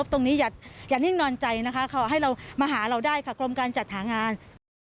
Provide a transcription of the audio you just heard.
อย่านิ่งนอนใจนะคะขอให้เรามาหาเราได้ค่ะกรมการจัดหางาน